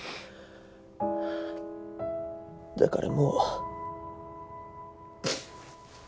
だからもう。